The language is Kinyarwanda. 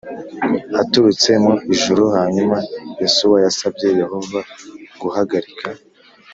aturutse mu ijuru Hanyuma Yosuwa yasabye Yehova guhagarika